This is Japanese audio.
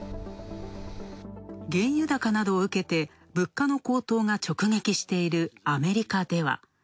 原油高などをうけ、物価の高騰が直撃しているアメリカでは。